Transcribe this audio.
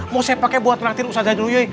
mau saya pakai buat raktir ustazah dulu yoi